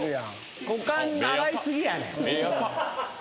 「股間洗い過ぎやねん」